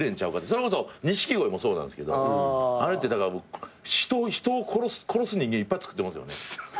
それこそ錦鯉もそうなんですけどあれってだから人を殺す人間いっぱいつくってますよね。